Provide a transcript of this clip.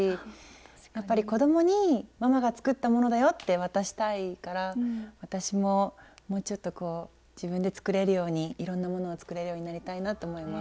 やっぱり子どもにママが作ったものだよって渡したいから私ももうちょっと自分で作れるようにいろんなものを作れるようになりたいなと思います。